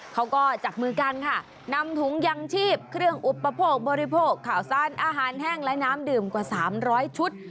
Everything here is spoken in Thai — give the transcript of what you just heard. เขาก็จับมือกันค่ะนำถุงยังชีพเครื่องอุปโภคบริโภคข่าวสั้นอาหารแห้งและน้ำดื่มกว่า๓๐๐ชุด